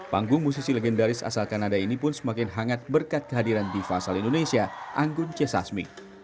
panggung musisi legendaris asal kanada ini pun semakin hangat berkat kehadiran diva asal indonesia anggun c sasmi